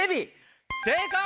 正解！